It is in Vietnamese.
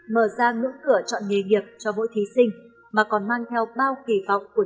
mở ra ngưỡng cửa chọn nghề nghiệp cho mỗi thí sinh mà còn mang theo bao kỳ vọng của những người thích